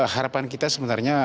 harapan kita sebenarnya